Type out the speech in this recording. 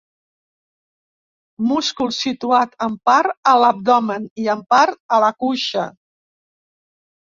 Múscul situat en part a l'abdomen i en part a la cuixa.